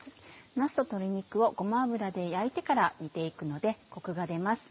なすと鶏肉をごま油で焼いてから煮て行くのでコクが出ます。